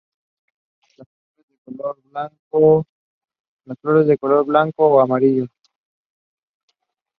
Las flores de color blanco o amarillo.